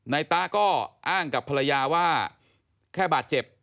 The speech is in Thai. ตะก็อ้างกับภรรยาว่าแค่บาดเจ็บ